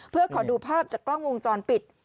เพื่อขอดูภาพจากกล้องวงจรปิด